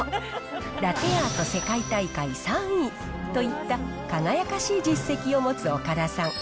ラテアート世界大会３位といった輝かしい実績を持つ岡田さん。